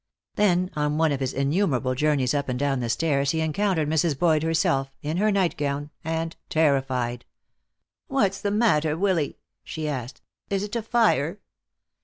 Then, on one of his innumerable journeys up and down the stairs he encountered Mrs. Boyd herself, in her nightgown, and terrified. "What's the matter, Willy?" she asked. "Is it a fire?"